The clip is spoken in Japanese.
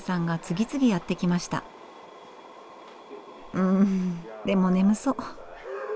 うんでも眠そう。